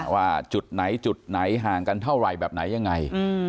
ว่าจุดไหนจุดไหนห่างกันเท่าไหร่แบบไหนยังไง